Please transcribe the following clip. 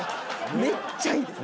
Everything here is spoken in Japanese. めっちゃいいです。